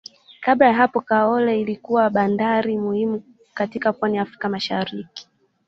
Kabla ya hapo Kaole ilikuwa bandari muhimu katika pwani ya Afrika Mashariki